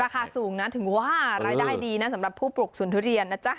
สูงนะถึงว่ารายได้ดีนะสำหรับผู้ปลูกศูนย์ทุเรียนนะจ๊ะ